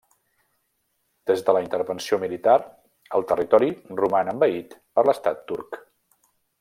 Des de la intervenció militar el territori roman envaït per l'estat turc.